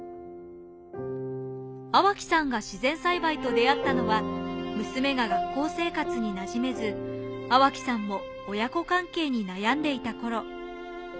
粟木さんが自然栽培と出会ったのは娘が学校生活になじめず粟木さんも親子関係に悩んでいた頃。